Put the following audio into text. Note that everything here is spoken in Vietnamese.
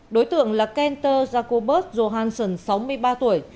đối tượng là kentor jacobus johansson sáu mươi ba tuổi